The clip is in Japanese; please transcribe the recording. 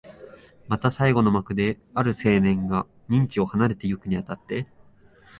また最後の幕で、ある青年が任地を離れてゆくに当たって、